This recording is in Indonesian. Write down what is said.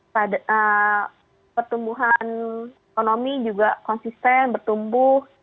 pada pertumbuhan ekonomi juga konsisten bertumbuh